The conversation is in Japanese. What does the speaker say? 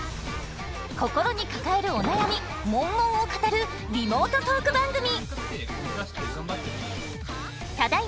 心に抱えるお悩みモンモンを語るリモートトーク番組！